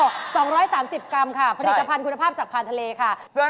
๒๓๐กรัมค่ะผลิตภัณฑ์คุณภาพจากพานทะเลค่ะ